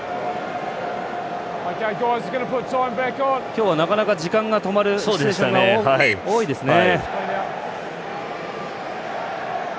今日はなかなか時間が止まるシチュエーションが多いですね。